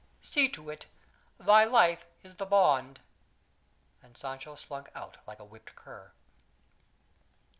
See to it! Thy life is the bond!" and Sancho slunk out like a whipped cur.